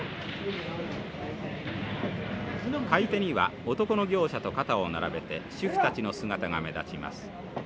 買い手には男の業者と肩を並べて主婦たちの姿が目立ちます。